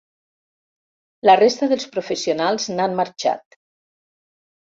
La resta dels professionals n'han marxat.